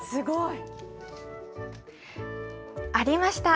ありました。